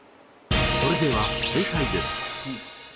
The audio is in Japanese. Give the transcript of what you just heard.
それでは正解です。